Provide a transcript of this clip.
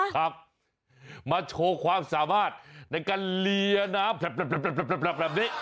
ครับมาโชว์ความสามารถในการเลียน้ำแบบแบบแบบแบบแบบแบบนี้